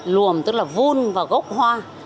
luồm tức là vun và gốc hoa